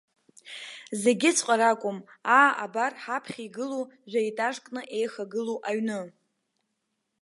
Зегьыҵәҟьа ракәым, аа, абар ҳаԥхьа игылоуп жәа-етажкны еихагылоу аҩны.